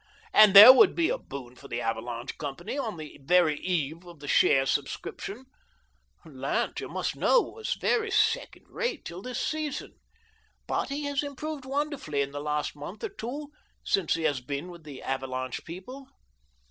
And there would be a boom for the ' Avalanche ' company, on the very eve of the share sub scription ! Lant, you must know, was very second rate till this season, but he has improved wonderfully in the last month or two, since he has been with the ' Avalanche ' people.